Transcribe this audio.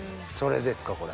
それですか？